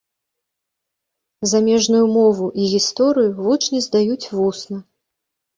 Замежную мову і гісторыю вучні здаюць вусна.